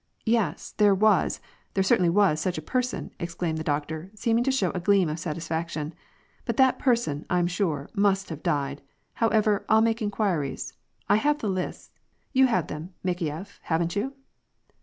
"Yes, there was, there certainly was such a person," ex claimed the doctor, seeming to show a gleam of satisfaction. "But that person, I'm sure, must have died; however, I'll make inquiries; I had the lists; you have them, Makejef, haven't you